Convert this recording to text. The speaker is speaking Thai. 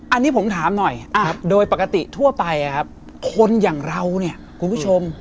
อันนี้ผมถามหน่อยโดยปกติทั่วไปคนอย่างเราเนี่ยคุณผู้ชม